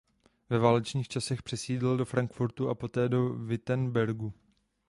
Ve válečných časech přesídlil do Frankfurtu a poté do Wittenbergu.